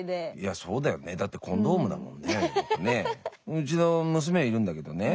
うちの娘がいるんだけどね